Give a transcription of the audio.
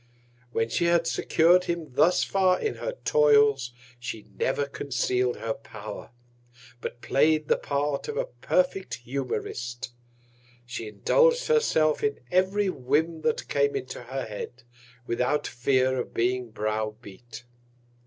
When she had secur'd him thus far in her Toils, she never conceal'd her Power, but play'd the Part of a perfect Humourist. She indulg'd herself in every Whim that came in her Head, without Fear of being brow beat.